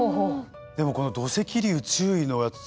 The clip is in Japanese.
でもこの土石流注意のやつ